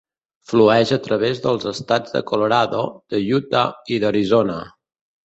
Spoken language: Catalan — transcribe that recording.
Flueix a través dels estats de Colorado, de Utah i d'Arizona.